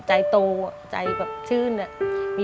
ในฐาวนี้เลยค่ะ